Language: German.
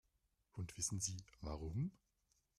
Und wissen Sie warum?